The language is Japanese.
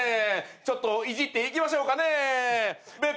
ちょっといじっていきましょうかね。